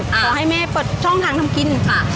ขอให้แม่เปิดช่องทางทำกินค่ะ